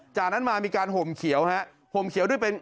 จากนั้นมามีการห่มเขียวฮะห่มเขียวด้วยเป็น